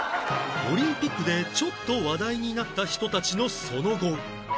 オリンピックでちょっと話題になった人たちのその後